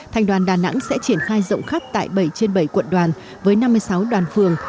thành đoàn đà nẵng sẽ triển khai rộng khắp tại bảy trên bảy quận đoàn với năm mươi sáu đoàn phường